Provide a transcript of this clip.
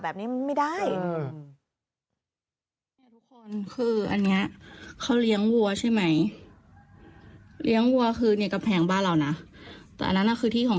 มันไม่ได้ขายง่ายนะคุณผู้ชม